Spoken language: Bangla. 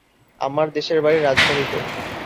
আমার দেশের বাড়ি রাজশাহীতে।